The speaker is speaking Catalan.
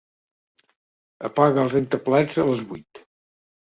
Apaga el rentaplats a les vuit.